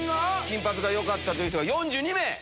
金髪がよかったという人が４２名。